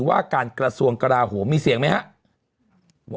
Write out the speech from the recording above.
ว่าการกระทรวงกราโหมมีเสียงไหมครับ